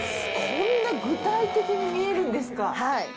こんな具体的に見えるんですか。